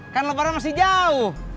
kan lebaran masih jauh